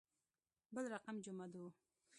بل رقم جمعه دو.